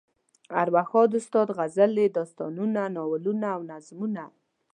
ارواښاد استاد غزلې، داستانونه، ناولونه او نظمونه.